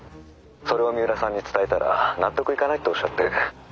それを三浦さんに伝えたら納得いかないっておっしゃって。